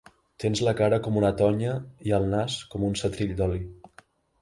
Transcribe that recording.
Tens la cara com una tonya i el nas com un setrill d’oli.